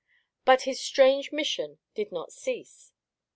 But his strange mission did not cease.